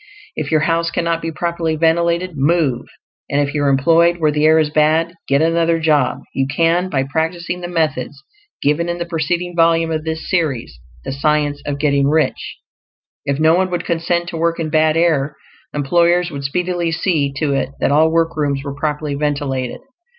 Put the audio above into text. If your house cannot be properly ventilated, move; and if you are employed where the air is bad, get another job; you can, by practicing the methods given in the preceding volume of this series "THE SCIENCE OF GETTING RICH." If no one would consent to work in bad air, employers would speedily see to it that all work rooms were properly ventilated.